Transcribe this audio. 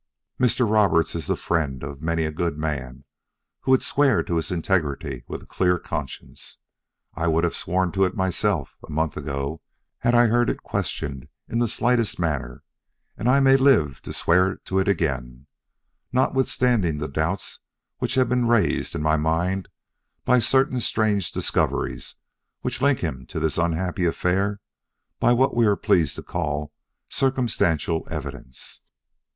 "Mr. Roberts is the friend of many a good man who would swear to his integrity with a clear conscience. I would have sworn to it myself, a month ago, had I heard it questioned in the slightest manner; and I may live to swear to it again, notwithstanding the doubts which have been raised in my mind by certain strange discoveries which link him to this unhappy affair by what we are pleased to call circumstantial evidence.